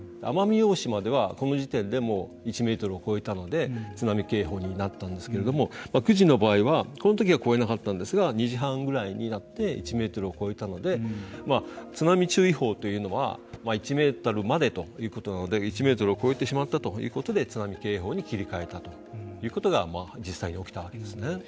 奄美大島ではこの時点で１メートルを超えたので津波警報になったんですけれども久慈の場合はこのときは超えなかったんですが２時半ぐらいになって１メートルを超えたので津波注意報というのは１メートルまでということなので１メートルを超えてしまったということで津波警報に切りかえたということが実際に起きたわけですよね。